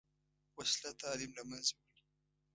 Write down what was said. وسله تعلیم له منځه وړي